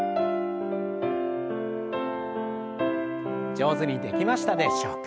上手にできましたでしょうか。